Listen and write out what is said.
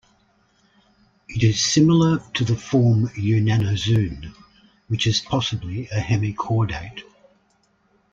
It is similar to the form "Yunnanozoon", which is possibly a hemichordate.